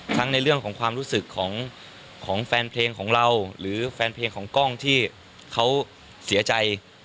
ในเรื่องของความรู้สึกของแฟนเพลงของเราหรือแฟนเพลงของกล้องที่เขาเสียใจ